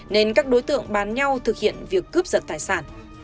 nên các đối tượng bán nhau thực hiện